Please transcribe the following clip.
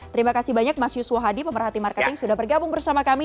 terima kasih banyak mas yuswo hadi pemerhati marketing sudah bergabung bersama kami